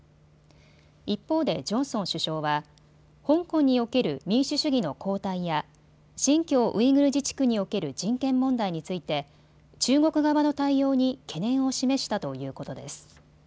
一方でジョンソン首相は香港における民主主義の後退や新疆ウイグル自治区における人権問題について中国側の対応に懸念を示したということです。